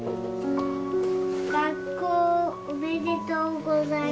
学校おめでとうございます。